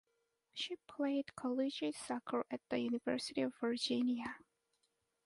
She played collegiate soccer at the University of Virginia.